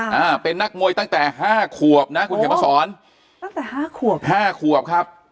อ่าเป็นนักมวยตั้งแต่ห้าขวบนะคุณเขียนมาสอนตั้งแต่ห้าขวบห้าขวบครับ